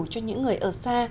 cho những người ở xa